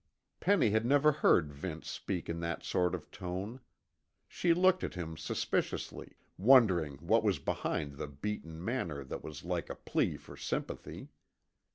Penny had never heard Vince speak in that sort of tone. She looked at him suspiciously, wondering what was behind the beaten manner that was like a plea for sympathy.